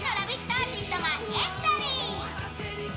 アーティストがエントリー。